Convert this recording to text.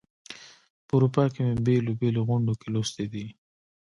په اروپا کې مي په بېلو بېلو غونډو کې لوستې دي.